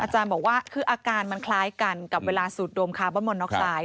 อาจารย์บอกว่าอาการมันคล้ายกันกับเวลาสูดโดมคาร์บอลมอน็อกไซด์